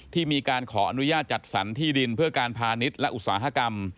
ที่มีการขออนุญาตจัดสรรที่ดินเพื่อการพาณิชย์และอุตสาหกรรม